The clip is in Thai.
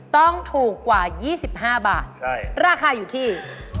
ต้องถูกกว่า๒๕บาทราคาอยู่ที่